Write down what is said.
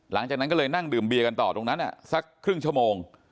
หลังจากนั้นก็เลยนั่งดื่มเบียกันต่อตรงนั้นสักครึ่งชั่วโมง